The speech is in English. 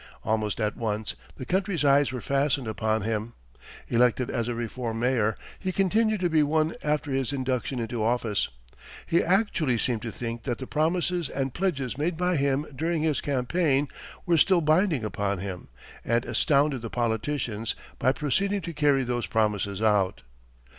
Almost at once, the country's eyes were fastened upon him. Elected as a reform mayor, he continued to be one after his induction into office. He actually seemed to think that the promises and pledges made by him during his campaign were still binding upon him, and astounded the politicians by proceeding to carry those promises out.